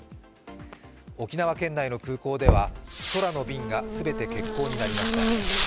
沖縄県内の空港では空の便が全て欠航になりました。